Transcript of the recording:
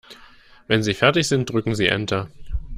Wenn Sie fertig sind, drücken Sie Enter.